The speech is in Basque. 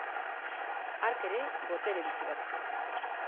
Hark ere botere bitxi bat du.